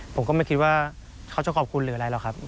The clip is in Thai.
ผมก็ไม่คิดว่าเขาจะขอบคุณหรืออะไรหรอกครับ